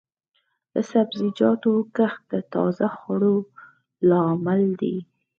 د سبزیجاتو کښت د تازه خوړو لامل دی.